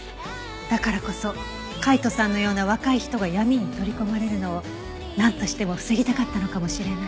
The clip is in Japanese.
だからこそ海斗さんのような若い人が闇に取り込まれるのをなんとしても防ぎたかったのかもしれない。